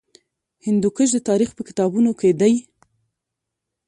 هندوکش د تاریخ په کتابونو کې دی.